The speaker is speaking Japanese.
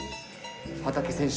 畠選手